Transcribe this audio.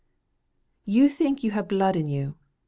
You think you have blood in you.